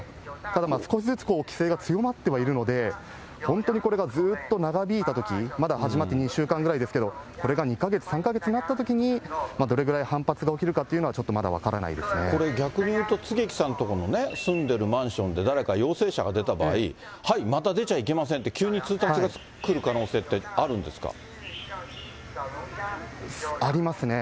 ただまあ、少しずつ規制が強まってはいるので、本当にこれがずっと長引いたとき、まだ始まって２週間ぐらいですけど、これが２か月、３か月になったときに、どれぐらい反発が起きるかっていうのはちょっとまだ分これ逆にいうと、槻木さんの所の住んでるマンションで、誰か陽性者が出た場合、はい、また出ちゃいけませんって、急に通達が来る可能性ってあるんですありますね。